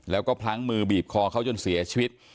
แล้วก็พลั้งมือบีบคอเขาจนเสียชีวิต